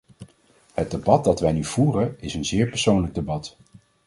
Het debat dat wij nu voeren, is een zeer persoonlijk debat.